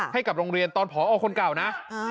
ให้กับโรงเรียนตอนผอคนเก่านะ